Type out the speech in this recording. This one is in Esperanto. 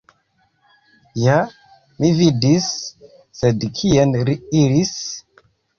Ja, mi vidis, sed kien li iris?